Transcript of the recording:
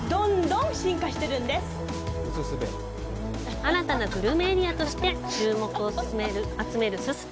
新たなグルメエリアとして注目を集めるススペ。